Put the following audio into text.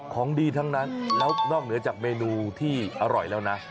ของดีทั้งนั้นแล้วนอกเหนือจากเมนูที่อร่อยแล้วนะ